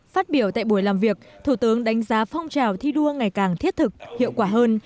phát biểu tại buổi làm việc thủ tướng đánh giá phong trào thi đua ngày càng thiết thực hiệu quả hơn